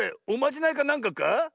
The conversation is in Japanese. おまじないかなんかか？